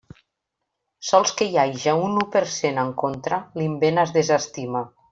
Sols que hi haja un u per cent en contra, l'invent es desestima.